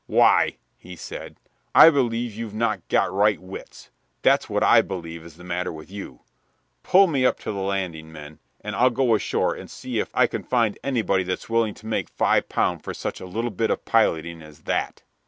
"Why," he said, "I believe you've not got right wits that's what I believe is the matter with you. Pull me up to the landing, men, and I'll go ashore and see if I can find anybody that's willing to make five pound for such a little bit of piloting as that."